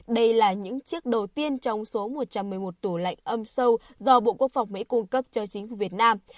đây là những chiếc đầu tiên trong số một trăm một mươi một tủ lạnh âm sâu do bộ quốc phòng mỹ cung cấp cho chính phủ việt nam